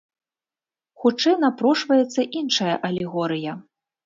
Хутчэй напрошваецца іншая алегорыя.